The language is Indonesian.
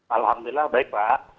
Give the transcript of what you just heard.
alhamdulillah baik pak